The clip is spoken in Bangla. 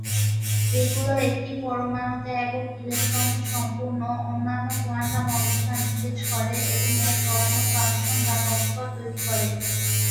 এগুলি একটি পরমাণুতে একক ইলেকট্রনের সম্পূর্ণ, অনন্য কোয়ান্টাম অবস্থা নির্দিষ্ট করে, এবং এর তরঙ্গ ফাংশন বা "কক্ষপথ" তৈরি করে।